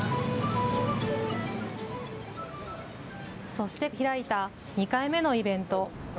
そして開いた２回目のイベント。